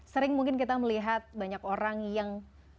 sering mungkin kita melihat banyak orang yang